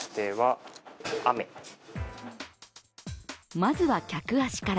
まずは客足から。